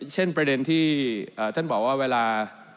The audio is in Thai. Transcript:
เช่นประเด็นที่ท่านบอกว่าเวลา